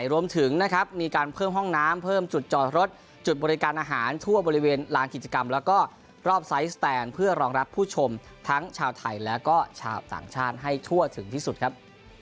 รวมถึงนะครับมีการเพิ่มห้องน้ำเพิ่มจุดจอดรถจุดบริการอาหารทั่วบริเวณลานกิจกรรมแล้วก็รอบไซส์สแตนเพื่อรองรับผู้ชมทั้งชาวไทยแล้วก็ชาวต่างชาติให้ทั่วถึงที่สุดครับ